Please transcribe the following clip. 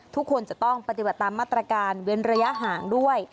ทุกคนจะต้องปฏิบัติตามมาตรการเว้นระยะห่างด้วย